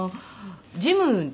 ジムで。